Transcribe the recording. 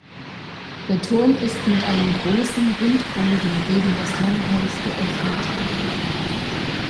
Der Turm ist mit einem großen Rundbogen gegen das Langhaus geöffnet.